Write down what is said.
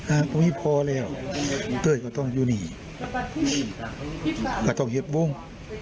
อ่าผมไม่พอแล้วเตยก็ต้องอยู่นี่ก็ต้องเห็นวง